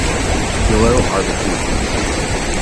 Below are the key ones.